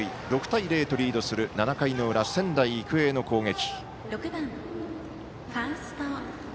６対０とリードする７回の裏、仙台育英の攻撃。